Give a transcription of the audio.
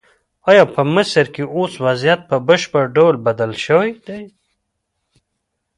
ایا په مصر کې اوس وضعیت په بشپړ ډول بدل شوی دی؟